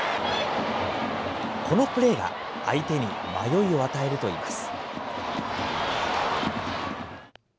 このプレーが相手に迷いを与えるといいます。